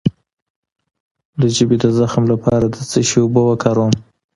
د ژبې د زخم لپاره د څه شي اوبه وکاروم؟